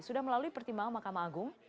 sudah melalui pertimbangan mahkamah agung